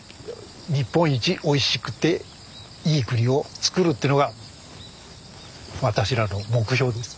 日本一おいしくていい栗を作るというのが私らの目標です。